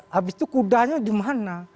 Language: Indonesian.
habis itu kudanya di mana